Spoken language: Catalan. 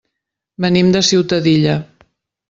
Venim de Ciutadilla.